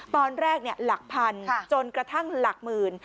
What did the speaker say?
ตอนแรกหลักพันจนกระทั่งหลักหมื่น